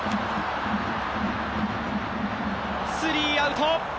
スリーアウト。